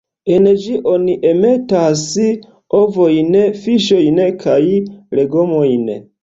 En ĝi oni enmetas ovojn, fiŝojn kaj legomojn.